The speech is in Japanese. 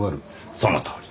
そのとおり。